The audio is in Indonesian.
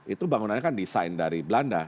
itu bangunannya kan desain dari belanda